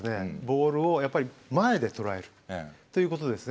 ボールをやっぱり前で捉えるということですね。